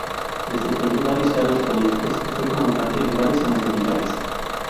Desempeñó varios cargos políticos y fue comandante de varias zonas militares.